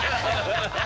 アハハハ！